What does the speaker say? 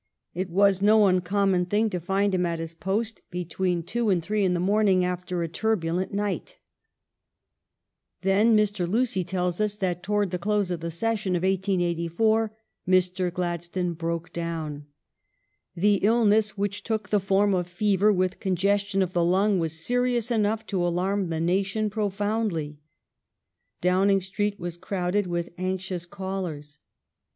It was no uncommon thing to find him at his post between two and WAR WITH THE BOKKS — FRANCHISE BILL 355 three in the morning after a turbulent night." Then Mr. Lucy tells us that toward the close of the session of 1884, Mr. Gladstone broke down. " The illness, which took the form of fever with congestion of the lung, was serious enough to alarm the na tion profoundly. Downing Street was crowded with anxious callers."